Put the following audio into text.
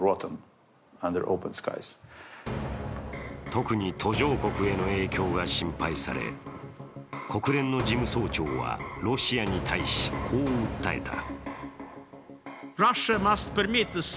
特に途上国への影響が心配され、国連の事務総長は、ロシアに対しこう訴えた。